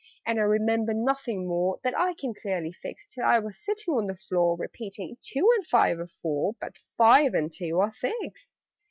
And I remember nothing more That I can clearly fix, Till I was sitting on the floor, Repeating "Two and five are four, But five and two are six."